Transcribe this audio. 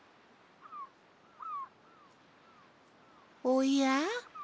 おや。